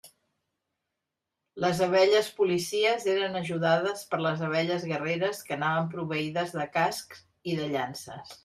Les abelles policies eren ajudades per les abelles guerreres que anaven proveïdes de cascs i de llances.